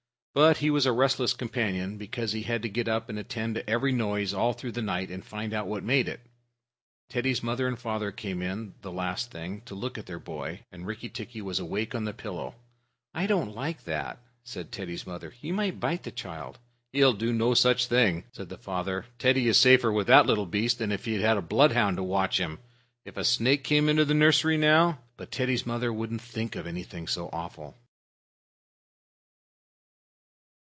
But he was a restless companion, because he had to get up and attend to every noise all through the night, and find out what made it. Teddy's mother and father came in, the last thing, to look at their boy, and Rikki tikki was awake on the pillow. "I don't like that," said Teddy's mother. "He may bite the child." "He'll do no such thing," said the father. "Teddy's safer with that little beast than if he had a bloodhound to watch him. If a snake came into the nursery now " But Teddy's mother wouldn't think of anything so awful.